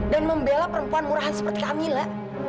dan membela perempuan murahan seperti kamila